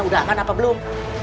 udah aman apa belum